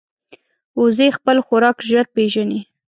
وزې خپل خوراک ژر پېژني